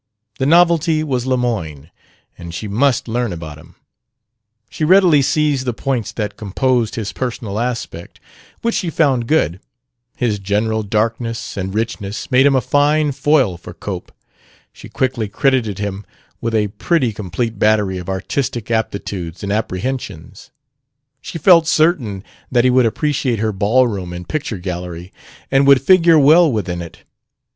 The novelty was Lemoyne, and she must learn about him. She readily seized the points that composed his personal aspect, which she found good: his general darkness and richness made him a fine foil for Cope. She quickly credited him with a pretty complete battery of artistic aptitudes and apprehensions. She felt certain that he would appreciate her ballroom and picture gallery, and would figure well within it.